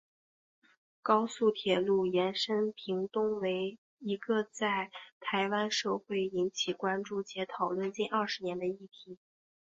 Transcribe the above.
高速铁路延伸屏东为一个在台湾社会引起关注且讨论近二十年的议题。